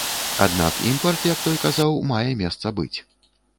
Аднак імпарт, як той казаў, мае месца быць.